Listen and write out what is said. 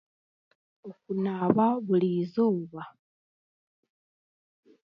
Okunaaba buri eizooba